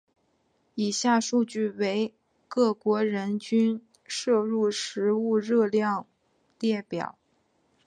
以下数据为各国人均摄入食物热量列表。